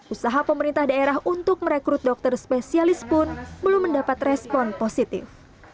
usaha pemerintah daerah untuk merekrut dokter spesialis pun belum mendapat respon positif